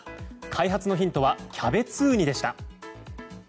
開発のヒントはキャベツウニでした。